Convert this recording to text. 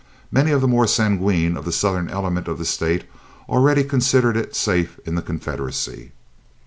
Many of the more sanguine of the Southern element of the state already considered it safe in the Confederacy.